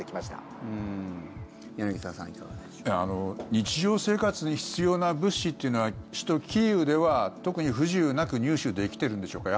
日常生活に必要な物資というのは首都キーウでは特に不自由なく入手できているんでしょうか。